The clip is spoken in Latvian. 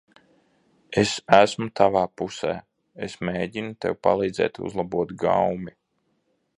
Es esmu tavā pusē. Es mēģinu tev palīdzēt uzlabot gaumi.